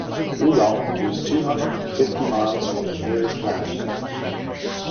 Oolong was two hundred and fifty miles from the nearest land.